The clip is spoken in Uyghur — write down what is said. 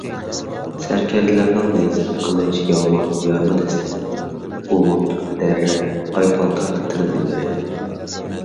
سەركەردىلەرنىڭ نەيزە، قىلىچ، يالمان، يارما دەستە، ئۇمۇت، دەررە، ئايپالتا ۋە تىرنىلىرى